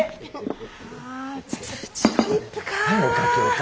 あプチトリップか。